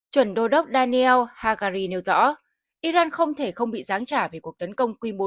chuẩn đô đốc daniel hagari nêu rõ iran không thể không bị giáng trả về cuộc tấn công quy mô